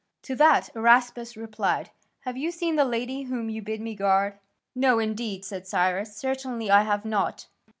To that Araspas replied, "Have you seen the lady whom you bid me guard?" "No, indeed," said Cyrus, "certainly I have not."